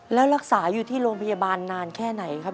แล้วรักษาอยู่ที่โรงพยาบาลนานแค่ไหนครับ